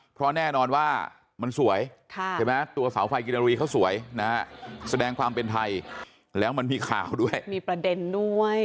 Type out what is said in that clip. เพราะแน่นอนว่ามันสวยตัวเสาไฟกินรีเขาสวยแสดงความเป็นไทยแล้วมันมีข่าวด้วย